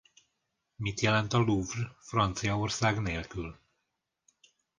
Mit jelent a Louvre Franciaország nélkül?